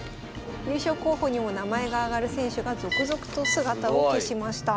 優勝候補にも名前が挙がる選手が続々と姿を消しました。